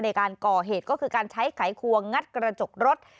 ในการก่อเหตุก็คือการใช้ไขควงงัดกระจกรถ